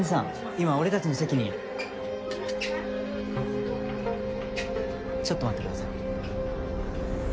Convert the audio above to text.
今俺達の席にちょっと待ってください